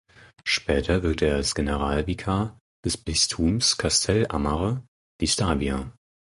Später wirkte er als Generalvikar des Bistums Castellammare di Stabia.